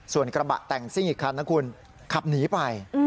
ส่วนกระบะแต่งซิ่งอีกคันนะคุณขับหนีไป